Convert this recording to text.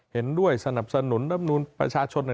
เห็นด้วยสนับสนุนรับนูนประชาชน